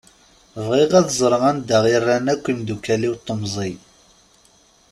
Bɣiɣ ad ẓṛeɣ anda i rran akk yemdukal-iw n temẓi.